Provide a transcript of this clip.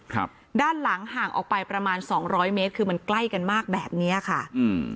ครับด้านหลังห่างออกไปประมาณสองร้อยเมตรคือมันใกล้กันมากแบบเนี้ยค่ะอืม